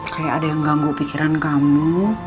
kayak ada yang ganggu pikiran kamu